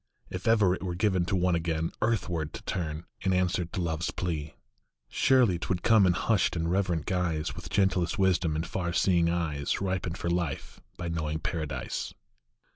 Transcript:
If ever it were given to one again Earthward to turn in answer to Love s plea, Surely t would come in hushed and reverent guise, With gentlest wisdom in far seeing eyes, Ripened for life by knowing Paradise.